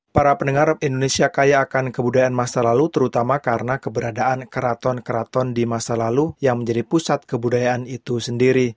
para pendengar indonesia kaya akan kebudayaan masa lalu terutama karena keberadaan keraton keraton di masa lalu yang menjadi pusat kebudayaan itu sendiri